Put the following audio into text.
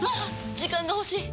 時間が欲しい！